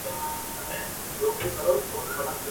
هر یو ټکی یې ګلګون دی نازوه مي ..